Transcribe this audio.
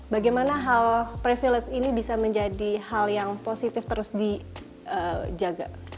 bagaimana hal privilege ini bisa menjadi hal yang positif terus dijaga